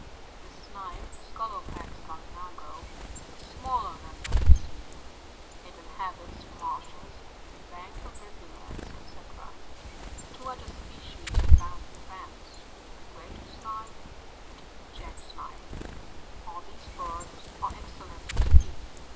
] 54. The Snipe, — Scolopax galUnago, — is smaller than the pre ceding ; it inhabits marshes, the banks of nvulets, &c. Two other species are found in France, the Great Snipe, and Jack Snipe. All these birds are excellent to eat.